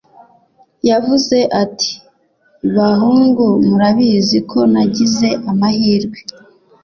yavuze ati: 'bahungu, murabizi ko nagize amahirwe